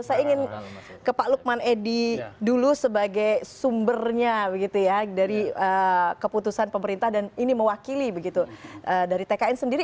saya ingin ke pak lukman edy dulu sebagai sumbernya dari keputusan pemerintah dan ini mewakili dari tkn sendiri